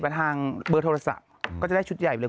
ทางเบอร์โทรศัพท์ก็จะได้ชุดใหญ่เลย